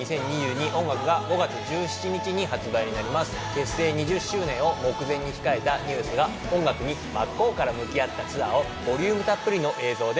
結成２０周年を目前に控えたＮＥＷＳが音楽に真っ向から向き合ったツアーをボリュームたっぷりの映像でお届け。